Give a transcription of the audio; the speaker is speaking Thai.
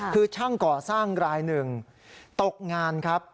คือช่างก่อสร้างรายหนึ่งตกงานครับ